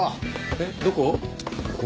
えっどこ？